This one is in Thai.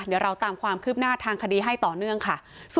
เดี๋ยวเราตามความคืบหน้าทางคดีให้ต่อเนื่องค่ะ